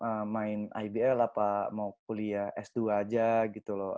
nggak main ibl apa mau kuliah s dua aja gitu loh